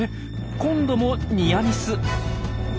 今度もニアミス。